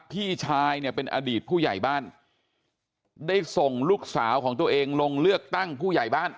พี่ชายเนี่ยเป็นอดีตผู้ใหญ่บ้านได้ส่งลูกสาวของตัวเองลงเลือกตั้งผู้ใหญ่บ้าน